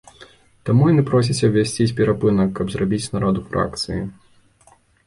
Таму яны просяць абвясціць перапынак, каб зрабіць нараду фракцыі.